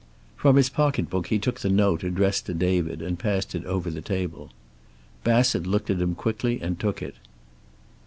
From his pocketbook he took the note addressed to David, and passed it over the table. Bassett looked at him quickly and took it.